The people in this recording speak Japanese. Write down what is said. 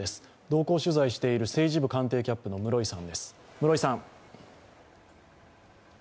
同行取材している政治部官邸キャップの室井さんです。